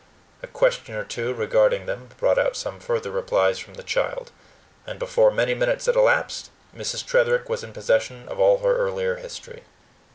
A question or two regarding them brought out some further replies from the child; and before many minutes had elapsed, Mrs. Tretherick was in possession of all her earlier history.